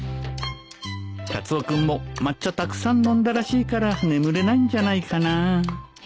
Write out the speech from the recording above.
カツオ君も抹茶たくさん飲んだらしいから眠れないんじゃないかな